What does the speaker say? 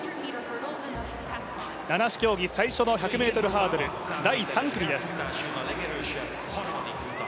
七種競技、最初の１００ｍハードル、第３組です。